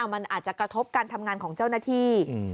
มันอาจจะกระทบการทำงานของเจ้าหน้าที่